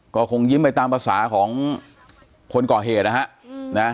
ก็คงยิ้มไปตามภาษาของคนก่อเหตุนะฮะ